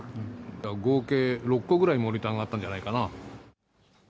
だから、合計６個くらい、モニターがあったんじゃないかな。